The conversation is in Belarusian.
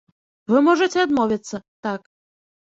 Вы можаце адмовіцца, так.